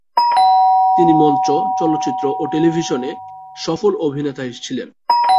তিনি মঞ্চ, চলচ্চিত্র ও টেলিভিশনে সফল অভিনেতা ছিলেন।